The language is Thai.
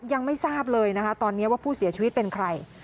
ยังไม่ทราบเลยนะคะตอนนี้ว่าผู้เสียชีวิตเป็นใคร